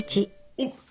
おっ。